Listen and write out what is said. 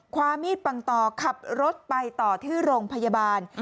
ความมีดปังต่อขับรถไปต่อที่โรงพยาบาล